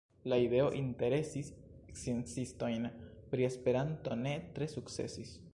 La ideo interesi sciencistojn pri Esperanto ne tre sukcesis.